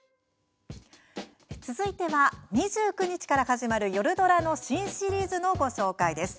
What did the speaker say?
続いては２９日から始まる「夜ドラ」の新シリーズのご紹介です。